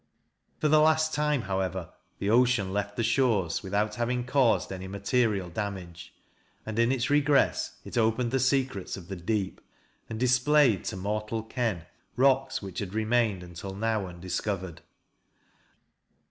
For the last time, however, the ocean left the shores, without having caused any material damage; and, in its regress, it opened the secrets of the deep, and displayed to "mortal ken" rocks which had remained until now undiscovered.